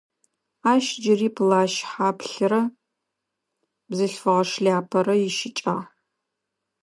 Ащ джыри плащ хьаплърэ бзылъфыгъэ шляпэрэ ищыкӏагъ.